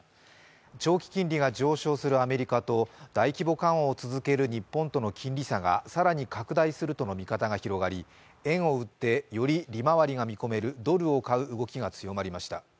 長期金利が上昇するアメリカと、大規模緩和を続ける日本との金利差が更に拡大するとの見方が広がり円を売ってより利回りが見込めるドルを買う動きが強まりました。